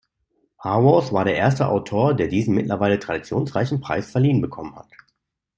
Haworth war der erste Autor, der diesen mittlerweile traditionsreichen Preis verliehen bekommen hat.